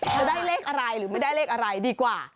จะได้เลขอะไรหรือไม่ได้เลขอะไรดีกว่า